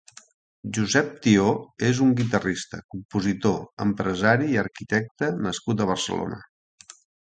Josep Thió és un guitarrista, compositor, empresari i arquitecte nascut a Barcelona.